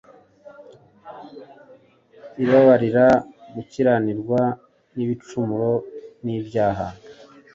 ibababarira gukiranirwa nibicumuro nibyaha